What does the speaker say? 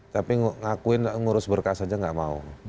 tapi ngakuin ngurus berkas aja nggak mau